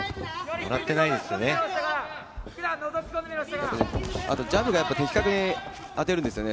もらってないですよね。